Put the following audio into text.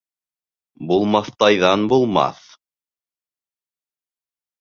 Булмаҫтайҙан булмаҫ: